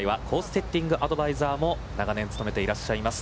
セッティングアドバイザーも、長年務めていらっしゃいます。